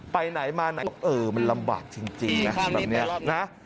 ไปไหนมาไหนเออมันลำบากจริงนะ